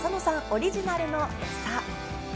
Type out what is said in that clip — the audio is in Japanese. オリジナルのエサ。